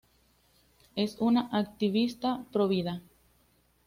Es un activista provida.